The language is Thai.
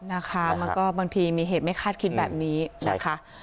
นะคะมันก็บางทีมีเหตุไม่คาดคิดแบบนี้นะคะ